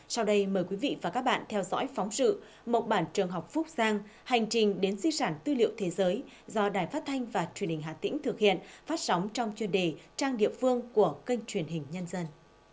sau đây mời quý vị và các bạn theo dõi phóng sự mộc bản trường học phúc giang hành trình đến di sản tư liệu thế giới do đài phát thanh và truyền hình hà tĩnh thực hiện phát sóng trong chuyên đề trang địa phương của kênh truyền hình nhân dân